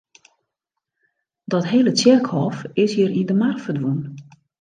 Dat hele tsjerkhôf is hjir yn de mar ferdwûn.